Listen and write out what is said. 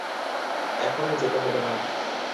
এখনই যেতে হবে না।